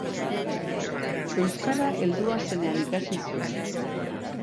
Euskara heldua zenean ikasi zuen.